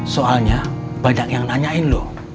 soalnya banyak yang nanyain loh